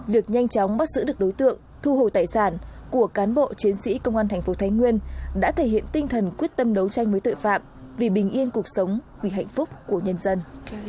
việc nhanh chóng bắt giữ được đối tượng thu hồi tài sản của cán bộ chiến sĩ công an thành phố thái nguyên đã thể hiện tinh thần quyết tâm đấu tranh với tội phạm vì bình yên cuộc sống vì hạnh phúc của nhân dân